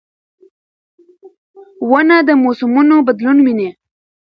ونه د موسمونو بدلون ویني.